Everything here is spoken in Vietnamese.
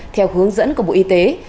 theo hướng dẫn của bộ y tế